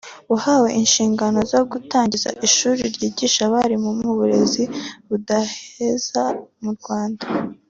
wahawe inshingano zo gutangiza ishuri ryigisha abarimu mu burezi budaheza mu Rwanda